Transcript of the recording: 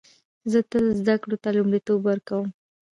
زه تل زده کړو ته لومړیتوب ورکوم